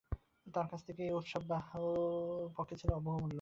তাঁর কাছ থেকে এই উৎসাহবাণী আমার পক্ষে ছিল বহুমূল্য।